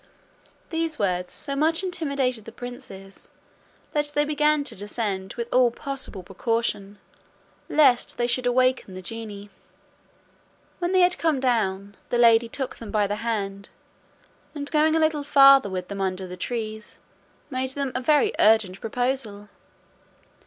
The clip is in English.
These words so much intimidated the princes, that they began to descend with all possible precaution lest they should awake the genie. When they had come down, the lady took them by the hand, and going a little farther with them under the trees, made them a very urgent proposal.